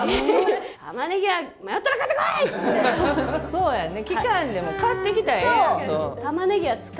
そうやんね。